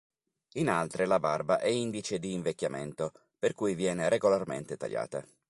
In altre la barba è indice di invecchiamento, per cui viene regolarmente tagliata.